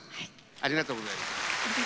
ありがとうございます。